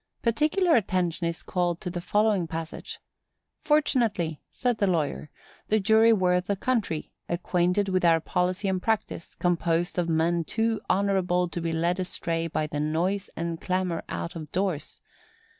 Particular attention is called to the following passage: "Fortunately," said the lawyer, "the jury were of the country;—acquainted with our policy and practice; composed of men too honorable to be led astray by the noise and clamor out of doors.